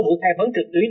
bộ khai vấn trực tuyến